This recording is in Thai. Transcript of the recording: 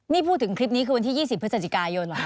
นี่พูดถึงคลิปนี้คือวันที่๒๐พฤศจิกายนเหรอ